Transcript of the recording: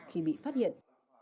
khi bị phát hiện